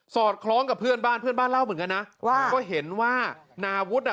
อดคล้องกับเพื่อนบ้านเพื่อนบ้านเล่าเหมือนกันนะว่าก็เห็นว่านาวุฒิอ่ะ